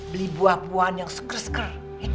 beli buah buahan yang seker seker